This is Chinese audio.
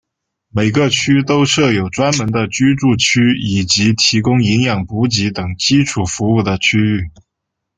每个区都设有专门的居住区以及提供营养补给等基础服务的区域。